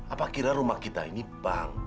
apa kira rumah kita ini bank